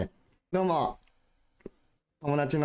どうも。